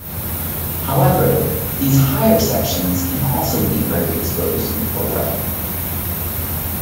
However, these higher sections can also be very exposed in poor weather.